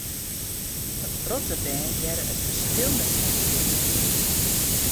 In protte bern hearre it ferskil net sa goed.